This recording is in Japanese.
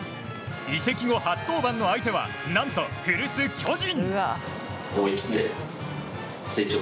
移籍後初登板の相手は何と古巣、巨人。